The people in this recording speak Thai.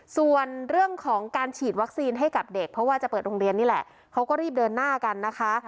ส่วนเรื่องของการฉีดวัคซีนให้กับเด็กเพราะว่าจะเปิดโรงเรียนนี่แหละเขาก็รีบเดินหน้ากันนะคะ